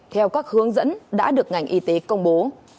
theo các hướng dẫn đã được ngành y tế công bố